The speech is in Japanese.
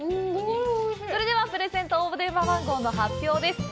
それでは、プレゼント応募電話番号の発表です。